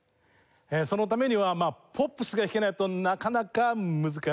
そのためにはポップスが弾けないとなかなか難しいと思います。